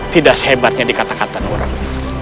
tidak sehebatnya di kata kata orang